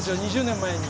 ２０年前に。